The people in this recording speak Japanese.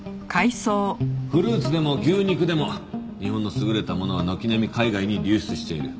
フルーツでも牛肉でも日本の優れたものは軒並み海外に流出している。